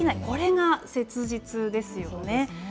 これが切実ですよね。